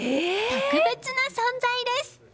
特別な存在です！